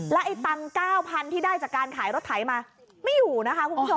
ไอ้ตังค์๙๐๐๐ที่ได้จากการขายรถไถมาไม่อยู่นะคะคุณผู้ชม